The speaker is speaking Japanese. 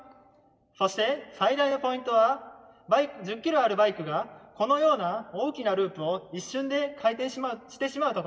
そして最大のポイントは１０ｋｇあるバイクがこのような大きなループを一瞬で回転してしまうところです。